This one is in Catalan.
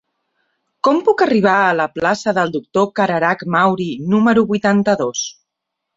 Com puc arribar a la plaça del Doctor Cararach Mauri número vuitanta-dos?